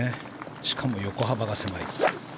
しかも横幅が狭い。